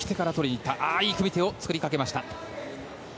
いい組み手を作りかけました。